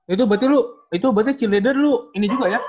itu berarti lu itu berarti cilider lu ini juga ya